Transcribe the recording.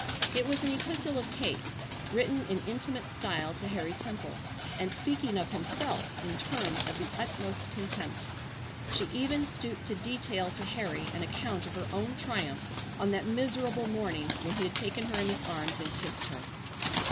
It was an epistle of Kate's, written in intimate style to Harry Temple and speaking of himself in terms of the utmost contempt. She even stooped to detail to Harry an account of her own triumph on that miserable morning when he had taken her in his arms and kissed her.